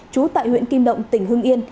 trú tại huyện kim động tỉnh hưng yên